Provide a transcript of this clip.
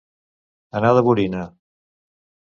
Anar de borina.